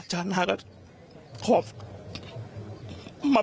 ปี๖๕วันเช่นเดียวกัน